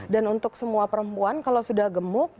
dan untuk semua perempuan kalau sudah gemuk